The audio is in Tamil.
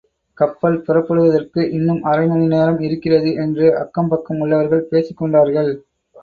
கப்பல் புறப்படுவதற்கு இன்னும் அரை மணி நேரம் இருக்கிறது என்று அக்கம் பக்கம் உள்ளவர்கள் பேசிக் கொண்டார்கள்.